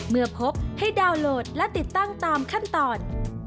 เมื่อพบให้ดาวน์โหลดและติดตั้งตามขั้นตอน